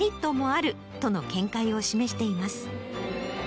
あるとの見解を示しています。